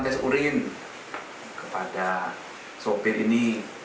tes urin kepada sopir ini